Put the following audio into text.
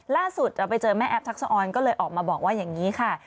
ล่าสุดจะไปเจอแม่แอฟทักษะออนก็เลยออกมาบอกว่าอย่างนี้ค่ะ